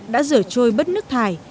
đã rửa trôi bất nước thải